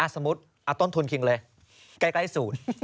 สมมุติเอาต้นทุนคิงเลยใกล้ศูนย์